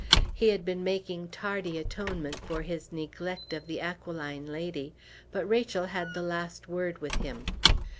He had been making tardy atonement for his neglect of the aquiline lady, but Rachel had the last word with him.